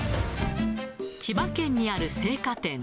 千葉県にある青果店。